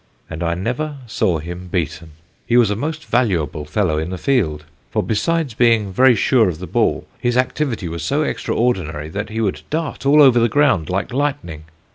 And I never saw him beaten. He was a most valuable fellow in the field; for besides being very sure of the ball, his activity was so extraordinary that he would dart all over the ground like lightning.